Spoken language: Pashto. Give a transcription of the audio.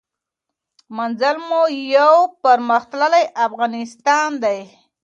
منزل مو یو پرمختللی افغانستان دی.